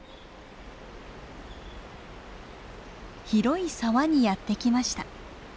広い沢にやって来ました。